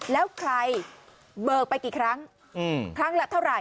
แล้วใครเบิกไปกี่ครั้งครั้งละเท่าไหร